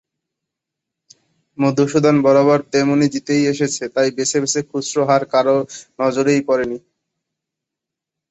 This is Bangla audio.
মধুসূদন বরাবর তেমনি জিতেই এসেছে– তাই বেছে বেছে খুচরো হার কারো নজরেই পড়েনি।